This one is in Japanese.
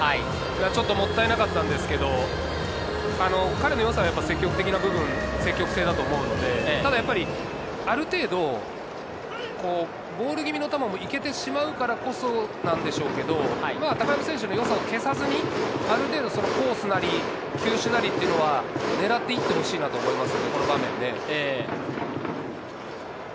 ちょっともったいなかったんですけれど、彼の良さは積極的な部分だと思うので、ただある程度ボール気味の球も行けてしまうからこそなんでしょうけど、高山選手の良さを消さずに、ある程度コースなり、球種なりっていうのは狙っていってほしいなと思います。